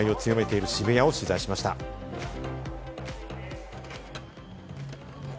警戒を強めている渋谷を取材しました。